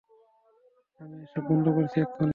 আমি এসব বন্ধ করছি, এক্ষুনি!